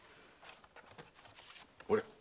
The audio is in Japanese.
ほれ。